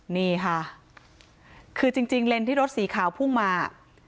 นี่ค่ะคือจริงเลนที่รถสีขาวพุ่งมา